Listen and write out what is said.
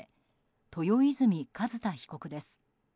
豊泉寿太被告です。